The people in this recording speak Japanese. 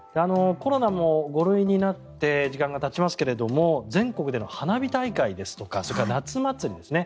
コロナも５類になって時間がたちますが全国での花火大会ですとかそれから夏まつりですね。